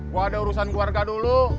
bahwa ada urusan keluarga dulu